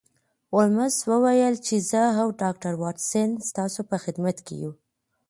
هولمز وویل چې زه او ډاکټر واټسن ستاسو په خدمت کې یو